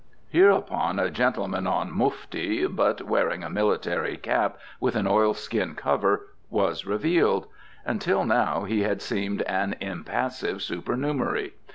Hereupon a gentleman en mufti, but wearing a military cap with an oil skin cover, was revealed. Until now he had seemed an impassive supernumerary.